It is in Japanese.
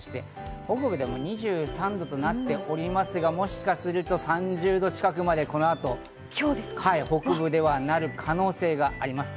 北部でも２３度となっておりますが、もしかすると３０度近くまで、この後北部ではなる可能性があります。